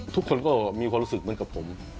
ทุกคนก็มีความรู้สึกเหมือนกับผม